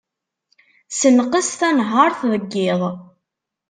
Senqes tanhart deg yiḍ.